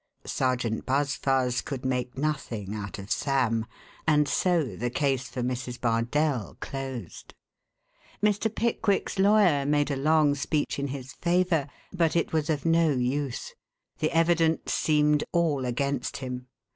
Sergeant Buzfuz could make nothing out of Sam, and so the case for Mrs. Bardell closed. Mr. Pickwick's lawyer made a long speech in his favor, but it was of no use. The evidence seemed all against him.